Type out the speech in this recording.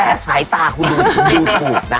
แต่สายตาคุณดูถูกนะ